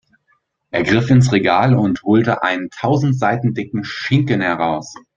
Er griff ins Regal und holte einen tausend Seiten dicken Schinken heraus.